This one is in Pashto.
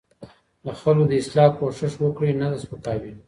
د خلکو د اصلاح کوشش وکړئ نه د سپکاوۍ.